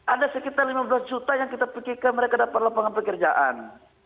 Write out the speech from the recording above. ada sekitar lima belas juta yang kita pikirkan mereka dapat lapangan pekerjaan